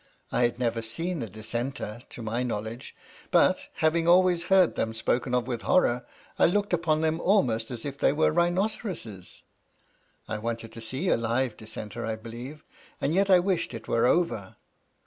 I had never seen a Dissenter, to my knowledge ; but, having always heard them spoken of with horror, I looked upon them almost as if they were rhinoceroses. I wanted to see a live Dissenter, I believe, and yet I wished it were over.